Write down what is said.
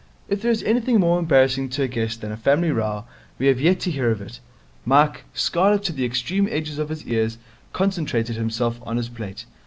If there is anything more embarrassing to a guest than a family row, we have yet to hear of it. Mike, scarlet to the extreme edges of his ears, concentrated himself on his plate.